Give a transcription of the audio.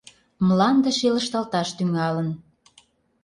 Мланде шелышталташ тӱҥалын.